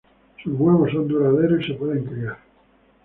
Sus huevos son duraderos y se pueden criar.